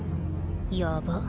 ヤバっ。